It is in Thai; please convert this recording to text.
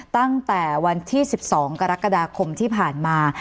ตั้งแต่วันที่๑๒กรกฎาคมที่ผ่านมา